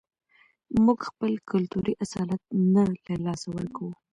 موږ خپل کلتوري اصالت نه له لاسه ورکوو.